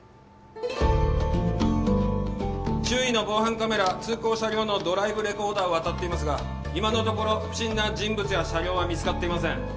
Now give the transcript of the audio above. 周囲の防犯カメラ通行車両のドライブレコーダーを当たっていますが今のところ不審な人物や車両は見つかっていません